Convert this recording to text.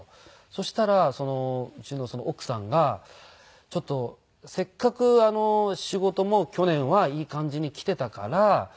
そしたらうちの奥さんが「せっかく仕事も去年はいい感じにきていたから」。